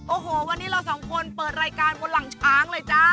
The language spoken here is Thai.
โอ้โหวันนี้เราสองคนเปิดรายการบนหลังช้างเลยจ้า